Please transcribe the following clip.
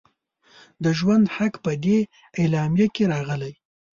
د ژوند حق په دې اعلامیه کې راغلی.